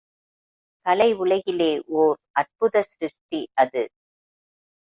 கலை உலகிலே ஓர் அற்புத சிருஷ்டி அது.